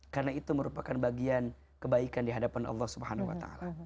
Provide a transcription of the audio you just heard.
karena itu merupakan bagian kebaikan di hadapan allah swt